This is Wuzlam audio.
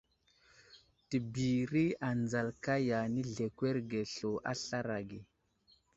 Təbiri anzal kaya, nəzlekwerge slu a aslar age.